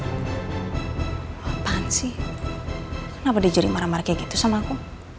kenapa dia jadi marah marah kayak gitu sama aku